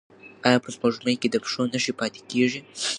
ایا په سپوږمۍ کې د پښو نښې پاتې کیږي؟